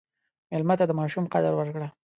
مېلمه ته د ماشوم قدر ورکړه.